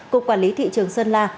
cục quản lý thị trường sơn la